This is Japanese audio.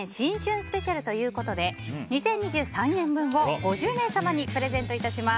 スペシャルということで２０２３円分を５０名様にプレゼントいたします。